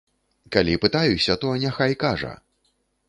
Калі пытаюся, то няхай кажа!